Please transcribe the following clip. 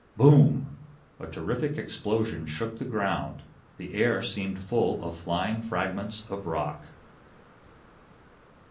Boom! A terrific explosion shook the ground. The air seemed full of flying fragments of rock.